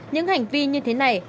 những hành vi như thế này